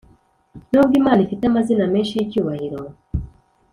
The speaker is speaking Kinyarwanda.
Nubwo Imana ifite amazina menshi y’icyubahiro